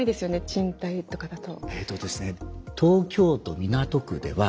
賃貸とかだと。